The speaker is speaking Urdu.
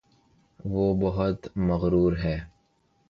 وہ بہت مغرور ہےـ